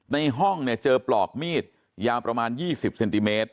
ในห้องเนี่ยเจอปลอกมีดยาวประมาณ๒๐เซนติเมตร